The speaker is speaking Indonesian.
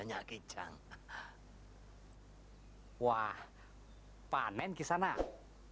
mari cepat pulang